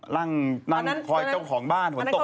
นั่งคอยเจ้าของบ้าน